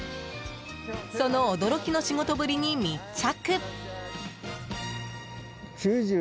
その驚きの仕事ぶりに密着！